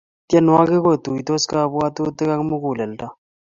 tienwokik kotuitos kapwatutik akmukulelto